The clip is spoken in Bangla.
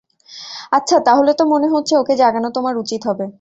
আচ্ছা, তাহলে তো মনে হচ্ছে ওকে জাগানো তোমার উচিত হবে।